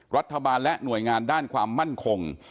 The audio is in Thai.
รัฐบาลและหน่วยงานด้านความมั่นคง